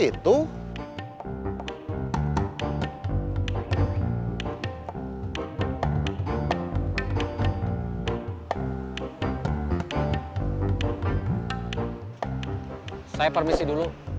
melanggul p berturak itu kan